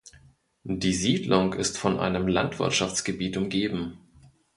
Die Siedlung ist von einem Landwirtschaftsgebiet umgeben.